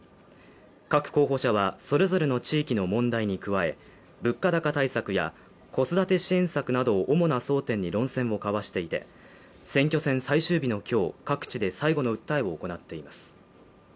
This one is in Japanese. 各候補者は、それぞれの地域の問題に加え、物価高対策や子育て支援策などを主な争点に論戦を交わしていて、選挙戦最終日の今日各地で最後の訴えを行っています。